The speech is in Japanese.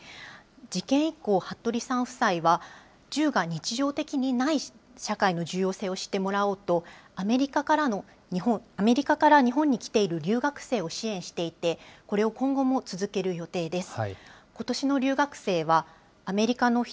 事件以降、服部さん夫妻は銃が日常的にない社会の重要性を知ってもらおうと、アメリカから日本に来ている留学生を支援していて、これを今後も続ける予定です。